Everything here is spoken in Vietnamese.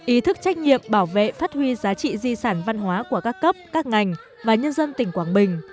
ý thức trách nhiệm bảo vệ phát huy giá trị di sản văn hóa của các cấp các ngành và nhân dân tỉnh quảng bình